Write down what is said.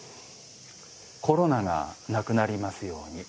コロナがなくなりますように！